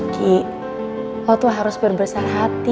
ki lo tuh harus berbesar hati